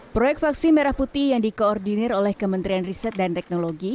proyek vaksin merah putih yang dikoordinir oleh kementerian riset dan teknologi